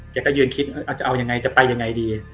ก็ยืนคิดจะเอายังไงจะไปยังไงดี